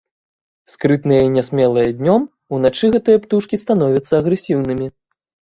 Скрытныя і нясмелыя днём, уначы гэтыя птушкі становяцца агрэсіўнымі.